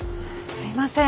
すいません